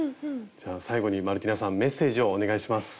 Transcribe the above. じゃあ最後にマルティナさんメッセージをお願いします。